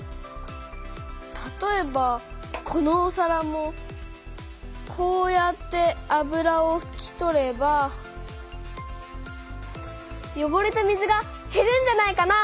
たとえばこのおさらもこうやって油をふき取ればよごれた水がへるんじゃないかな？